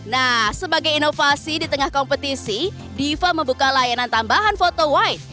nah sebagai inovasi di tengah kompetisi diva membuka layanan tambahan foto white